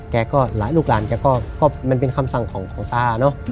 แกก็หลายลูกหลานแกก็มันเป็นคำสั่งของตาเนอะ